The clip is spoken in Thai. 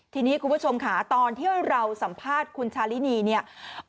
ทีนี้คุณผู้ชมค่ะตอนที่เราสัมภาษณ์คุณชาลินีเนี่ย